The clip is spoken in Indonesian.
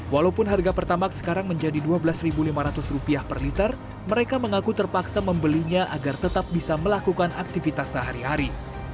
walaupun harga pertamax sekarang menjadi rp dua belas lima ratus per liter mereka mengaku terpaksa membelinya agar tetap bisa melakukan aktivitas sehari hari